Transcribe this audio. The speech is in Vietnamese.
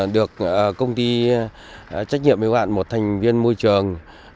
được công ty trách nhiệm yêu hạn một thành viên môi trường